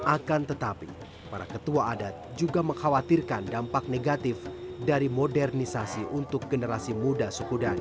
akan tetapi para ketua adat juga mengkhawatirkan dampak negatif dari modernisasi untuk generasi muda suku dhani